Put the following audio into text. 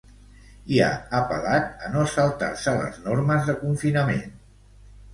I ha apel·lat a no saltar-se les normes de confinament.